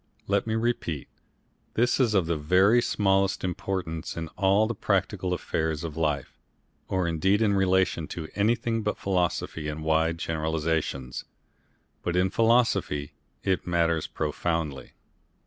Let me repeat; this is of the very smallest importance in all the practical affairs of life, or indeed in relation to anything but philosophy and wide generalisations. But in philosophy it matters profoundly.